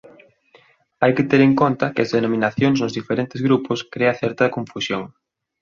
Hai que ter en conta que as denominacións nos diferentes grupos crea certa confusión.